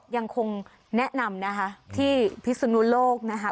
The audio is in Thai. ยังคงแนะนำนะคะที่พิศนุโลกนะคะ